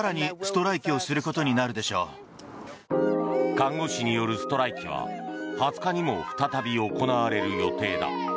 看護師によるストライキは２０日にも再び行われる予定だ。